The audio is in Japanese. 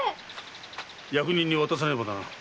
役人に渡さねばならん。